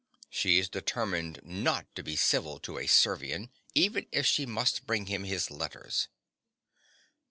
(_She is determined not to be civil to a Servian, even if she must bring him his letters.